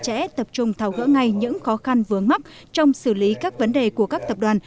trẻ tập trung thảo gỡ ngay những khó khăn vướng mắt trong xử lý các vấn đề của các tập đoàn